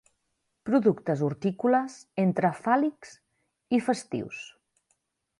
Productes hortícoles entre fàl·lics i festius.